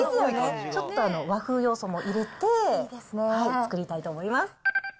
ちょっと和風要素も入れて作りたいと思います。